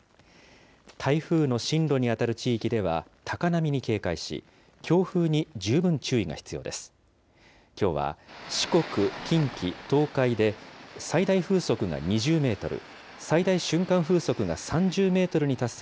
台風の進路に当たる地域では高波に警戒し、強風に十分注意が必要です。